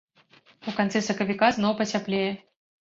У канцы сакавіка зноў пацяплее.